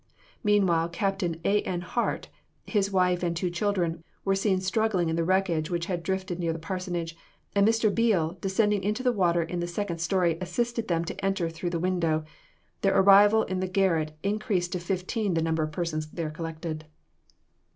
Meanwhile, Capt. A. N. Hart, his wife and two children, were seen struggling in the wreckage which had drifted near the parsonage, and Mr. Beale, descending into the water in the second story, assisted them to enter through the window. Their arrival in the garret increased to fifteen the number of persons there collected.